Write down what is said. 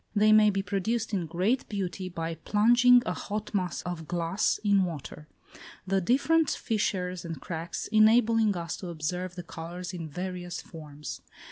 They may be produced in great beauty by plunging a hot mass of glass in water; the different fissures and cracks enabling us to observe the colours in various forms.